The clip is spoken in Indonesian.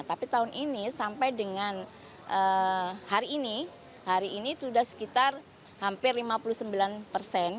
tapi tahun ini sampai dengan hari ini hari ini sudah sekitar hampir lima puluh sembilan persen